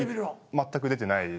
全く出てないです。